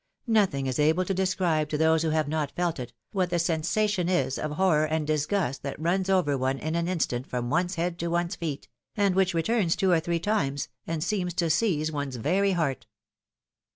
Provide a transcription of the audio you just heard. Nothing is able to describe to those who have not felt it, what the sensation is of horror and disgust that runs over one in an instant from one's head to one's feet, and which returns two or three times, and seems to seize one's very heart.